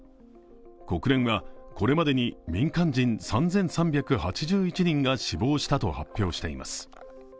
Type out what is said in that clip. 国連はこれまでに民間人３３８１人が死亡したと発表しています。